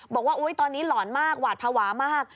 บอกว่าตอนนี้หลอนมากหวาดภาวะมาก